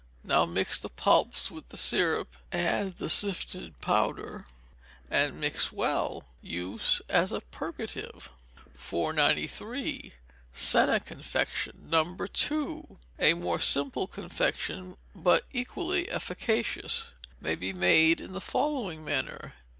Now mix the pulps with the syrup, add the sifted powder, and mix well. Use as a purgative. 493. Senna Confection. No. 2. A more simple confection, but equally efficacious, may be made in the following manner.